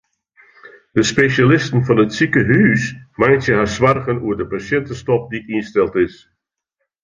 De spesjalisten fan it sikehús meitsje har soargen oer de pasjintestop dy't ynsteld is.